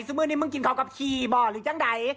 เมื่อนี้มึงกินเขากับขี่บ่อหรือจังใด